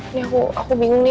ini aku bingung nih